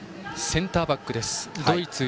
センターバックです。